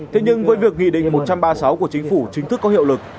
thế nhưng với việc nghị định một trăm ba mươi sáu của chính phủ chính thức có hiệu lực